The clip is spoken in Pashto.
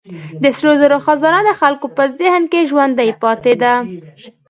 د سرو زرو خزانه د خلکو په ذهن کې ژوندۍ پاتې ده.